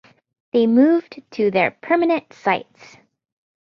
They moved to their permanent sites.